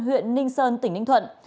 huyện ninh sơn tỉnh ninh thuận